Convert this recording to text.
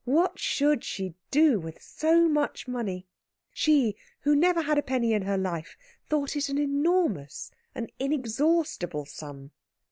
What should she do with so much money? She, who had never had a penny in her life, thought it an enormous, an inexhaustible sum.